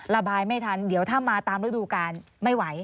ระบายไม่ทันเดี๋ยวถ้ามาตามฤดูการไม่ไหว